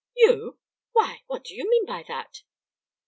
"You! Why, what do you mean by that?"